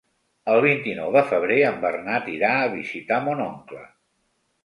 El vint-i-nou de febrer en Bernat irà a visitar mon oncle.